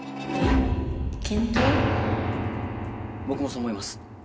僕もそう思います。